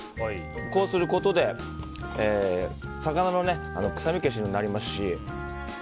こうすることで魚の臭み消しにもなりますし。